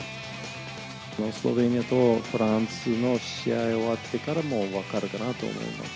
スロベニアとフランスの試合終わってからも、分かるかなと思います。